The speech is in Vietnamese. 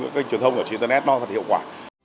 các cái kênh truyền thông ở trên internet nó thật hiệu quả